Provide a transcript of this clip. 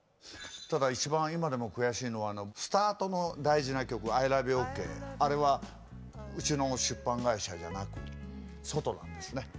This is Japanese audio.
ただ一番今でも悔しいのはスタートの大事な曲「アイ・ラヴ・ユー，ＯＫ」あれはうちの出版会社じゃなく外なんですね。